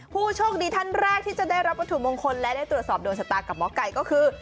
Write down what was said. ผู้โชคดีท่านแรกที่จะได้รับวัตถุมงคลและได้ตรวจสอบโดนชะตากับหมอไก่ก็คือ